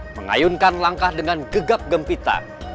mengayunkan langkah dengan gegap gempitan